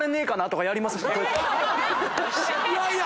いやいや！